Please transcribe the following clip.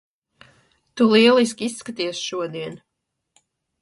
Tu lieliski izskaties šodien!